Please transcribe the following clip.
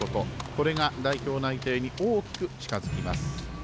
これが代表内定に大きく近づきます。